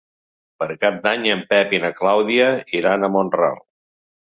Per Cap d'Any en Pep i na Clàudia iran a Mont-ral.